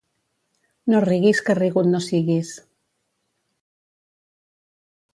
No riguis que rigut no siguis.